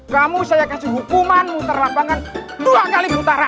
kamu saya kasih hukuman muter lapangan dua kali mutara